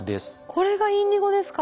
これがインディゴですか。